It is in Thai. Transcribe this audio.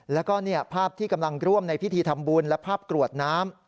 แล้วก็ภาพที่กำลังร่วมในพิธีทำบุญและภาพกรวดน้ำ